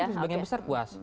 sebagian besar puas